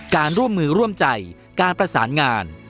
การร่วมมือร่วมใจการประสานงาน